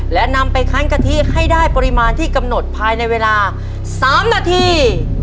และนำไปคั้นกะทิให้ได้ปริมาณที่กำหนดภายในเวลา๓นาที